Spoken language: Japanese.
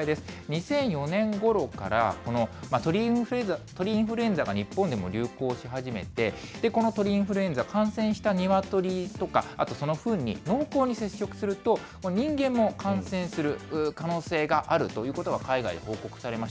２００４年ごろから、この鳥インフルエンザが日本でも流行し始めて、この鳥インフルエンザ、感染したニワトリとか、あとそのふんに濃厚に接触すると人間も感染する可能性があるということが海外で報告されました。